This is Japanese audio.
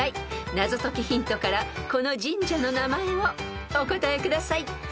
［謎解きヒントからこの神社の名前をお答えください］